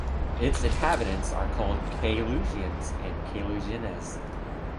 Its inhabitants are called Caylusiens and Caylusiennes.